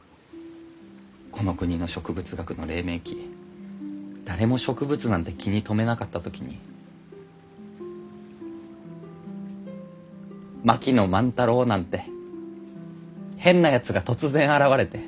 この国の植物学の黎明期誰も植物なんて気に留めなかった時に槙野万太郎なんて変なやつが突然現れて。